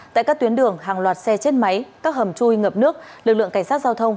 tại các tuyến đường hàng loạt xe chết máy các hầm chui ngập nước lực lượng cảnh sát giao thông